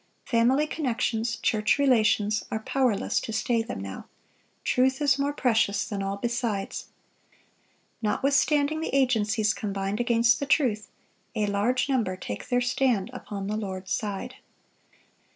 Family connections, church relations, are powerless to stay them now. Truth is more precious than all besides. Notwithstanding the agencies combined against the truth, a large number take their stand upon the Lord's side.